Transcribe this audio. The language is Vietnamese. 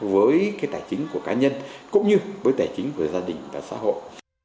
với cái tài chính của cá nhân cũng như với tài chính với gia đình và xã hội